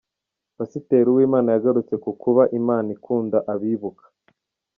Pasiteri Uwimana yagarutse ku kuba ‘Imana ikunda abibuka’.